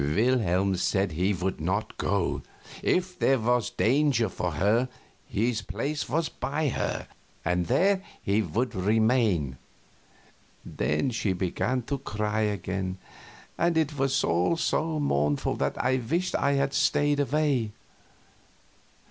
Wilhelm said he would not go; if there was danger for her, his place was by her, and there he would remain. Then she began to cry again, and it was all so mournful that I wished I had stayed away.